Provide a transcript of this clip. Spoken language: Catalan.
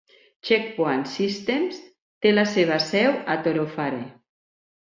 Checkpoint Systems té la seva seu a Thorofare.